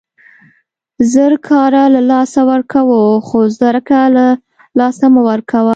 زر کاره له لاسه ورکوه، خو زرکه له له لاسه مه ورکوه!